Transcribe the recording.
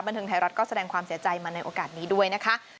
เทิงไทยรัฐก็แสดงความเสียใจมาในโอกาสนี้ด้วยนะคะ